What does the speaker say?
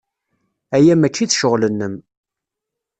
Aya maci d ccɣel-nnem.